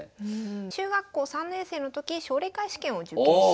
中学校３年生の時奨励会試験を受験します。